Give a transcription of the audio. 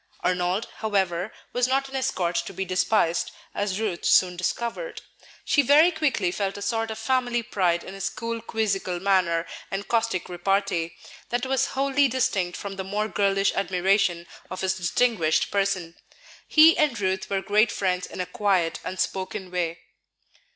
Arnold, however, was not an escort to be despised, as Ruth soon discovered. She very quickly felt a sort of family pride in his cool, quizzical manner and caustic repartee, that was wholly distinct from the more girlish admiration of his distinguished person. He and Ruth were great friends in a quiet, unspoken way.